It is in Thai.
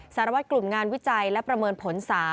สารวัตรกลุ่มงานวิจัยและประเมินผล๓